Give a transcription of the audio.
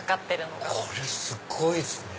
これすごいっすね！